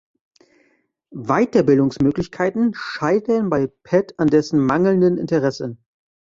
Weiterbildungsmöglichkeiten scheitern bei Pat an dessen mangelndem Interesse.